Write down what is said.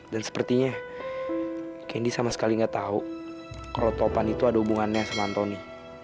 dan sepertinya candy sama sekali gak tau kalo topan itu ada hubungannya sama anthony